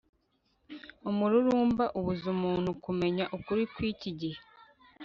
umururumba ubuza umuntu kumenya ukuri kw'iki gihe